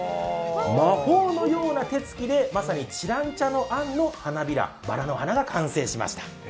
魔法のような手つきで、まさに知覧茶のあんの花びら、バラの花が完成しました。